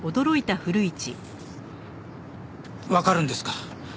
わかるんですか？